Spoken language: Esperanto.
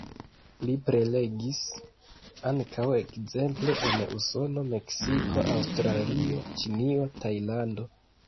Li prelegis ankaŭ ekzemple en Usono, Meksiko, Aŭstralio, Ĉinio, Tajlando.